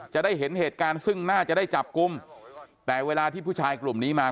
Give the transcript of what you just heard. จะได้เห็นเหตุการณ์ซึ่งน่าจะได้จับกลุ่มแต่เวลาที่ผู้ชายกลุ่มนี้มา